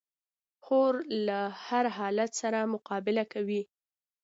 خور له هر حالت سره مقابله کوي.